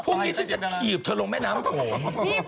พรุ่งนี้ฉันจะถีบเธอลงแม่น้ำโขง